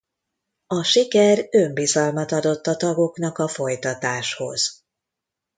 A siker önbizalmat adott a tagoknak a folytatáshoz.